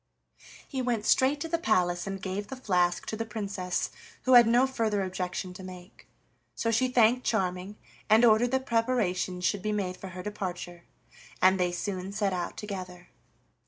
He went straight to the palace and gave the flask to the Princess, who had no further objection to make. So she thanked Charming, and ordered that preparations should be made for her departure, and they soon set out together.